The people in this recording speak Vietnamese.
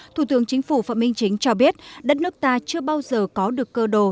thủ tướng chính phủ phạm minh chính cho biết đất nước ta chưa bao giờ có được cơ đồ